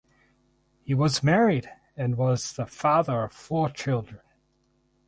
He was married and was the father of four children.